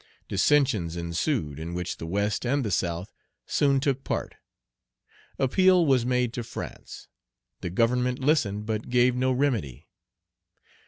Dissensions ensued, in which the West and the South soon took part. Appeal was made to France. The Government listened, but gave no remedy.